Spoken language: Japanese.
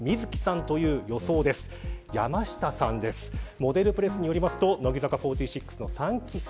モデルプレスによりますと乃木坂４６の３期生。